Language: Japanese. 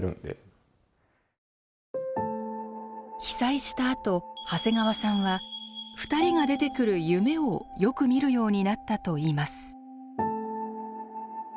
被災したあと長谷川さんは２人が出てくる夢をよく見るようになったといいます。